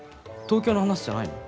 東京の話じゃないの？